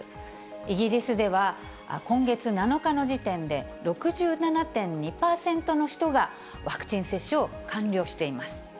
イギリスでは、今月７日の時点で、６７．２％の人がワクチン接種を完了しています。